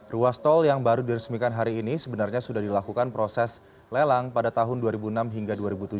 ruas tol yang baru diresmikan hari ini sebenarnya sudah dilakukan proses lelang pada tahun dua ribu enam hingga dua ribu tujuh belas